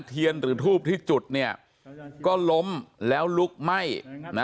หรือทูบที่จุดเนี่ยก็ล้มแล้วลุกไหม้นะ